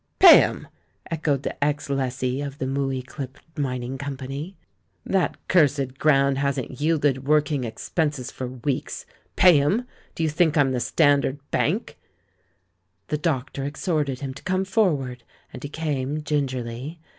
"Pay 'em?" echoed the ex lessee of the Mooi Khp Mining Comj^any. "That cursed ground 94. THE MAN WHO UNDERSTOOD WOMEN hasn't yielded working expenses for weeks. Pay 'em? Do you think I'm the Standard Bank?"' The doctor exhorted him to come forward, and he came gingerly.